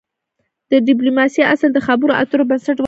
د د ډيپلوماسی اصل د خبرو اترو پر بنسټ ولاړ دی.